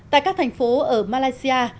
tại các thành phố ở malaysia